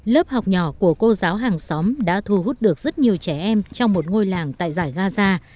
lớp học nhỏ của cô giáo hàng xóm đã thu hút được rất nhiều trẻ em trong một ngôi làng tại giải gaza